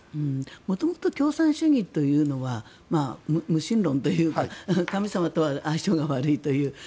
元々共産主義というのは無神論というか神様とは相性が悪いという。